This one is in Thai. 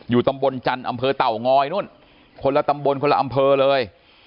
ตำบลจันทร์อำเภอเต่างอยนู่นคนละตำบลคนละอำเภอเลย